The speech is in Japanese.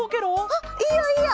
あっいいよいいよ！